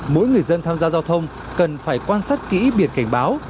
mỗi người dân tham gia giao thông cần phải quan sát kỹ biển cảnh báo